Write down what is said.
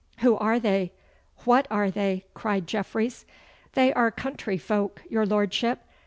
'Who are they? What are they?' cried Jeffreys. 'They are country folk, your Lordship.